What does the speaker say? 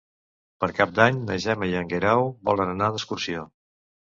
Per Cap d'Any na Gemma i en Guerau volen anar d'excursió.